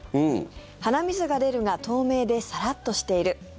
鼻水が出るが透明でサラッとしている。